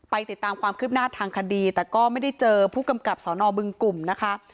ติดตามความคืบหน้าทางคดีแต่ก็ไม่ได้เจอผู้กำกับสนบึงกลุ่มนะคะ